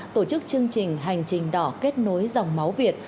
tổ chức chương trình hành trình đỏ kết nối dòng máu việt